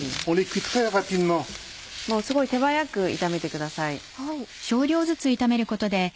すごい手早く炒めてください。